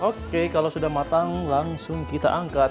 oke kalau sudah matang langsung kita angkat